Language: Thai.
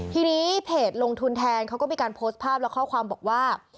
ทีนี้เพจลงทุนแทนเขาก็มีการโพสต์ภาพและข้อความบอกว่า